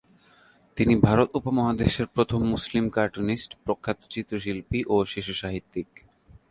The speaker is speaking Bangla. তিনি ভারত উপমহাদেশের প্রথম মুসলিম কার্টুনিস্ট, প্রখ্যাত চিত্রশিল্পী ও শিশুসাহিত্যিক।